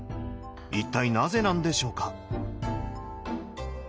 一体なぜなんでしょうか？